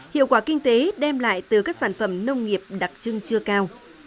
hiệu quả kinh tế đem lại từ các sản phẩm nông nghiệp đặc trưng chưa cao